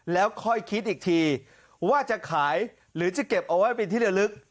แล้วค่อยคิดอีกทีว่าจะขายหรือจะเก็บเอาไว้เป็นที่ระลึก